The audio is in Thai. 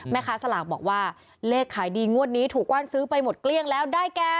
แม่ค้าสลากบอกว่าเลขขายดีงวดนี้ถูกกว้านซื้อไปหมดเกลี้ยงแล้วได้แก่